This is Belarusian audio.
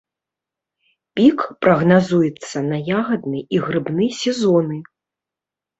Пік прагназуецца на ягадны і грыбны сезоны.